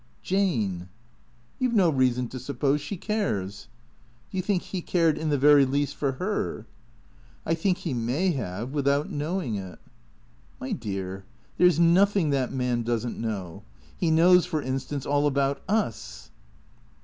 " Jane." " You 've no reason to suppose she cares." "Do you think he cared in the very least for her?" " I think he may have — without knowing it." "My dear, there's nothing that man doesn't know. He knows, for instance, all about us."